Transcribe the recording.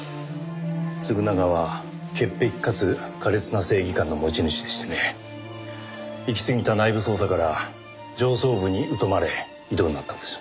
嗣永は潔癖かつ苛烈な正義感の持ち主でしてね行きすぎた内部捜査から上層部に疎まれ異動になったんです。